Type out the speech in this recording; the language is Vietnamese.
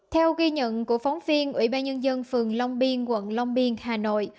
theo ghi nhận của phóng viên ubnd phường long biên quận long biên hà nội